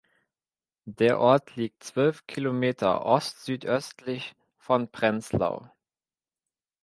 Der Ort liegt zwölf Kilometer ostsüdöstlich von Prenzlau.